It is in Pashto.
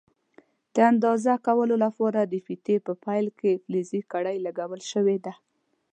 د اندازه کولو لپاره د فیتې په پیل کې فلزي کړۍ لګول شوې ده.